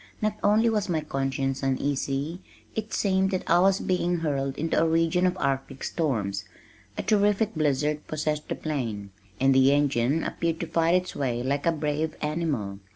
Not only was my conscience uneasy, it seemed that I was being hurled into a region of arctic storms. A terrific blizzard possessed the plain, and the engine appeared to fight its way like a brave animal.